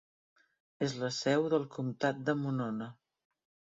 És la seu del comtat de Monona.